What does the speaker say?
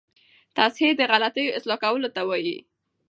تصحیح د غلطیو اصلاح کولو ته وايي.